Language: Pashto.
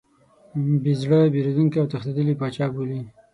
بې زړه، بېرندوکی او تښتېدلی پاچا بولي.